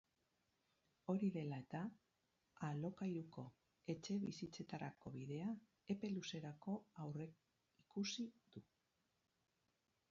Hori dela eta, alokairuko etxebizitzetarako bidea epe luzerako aurreikusi du.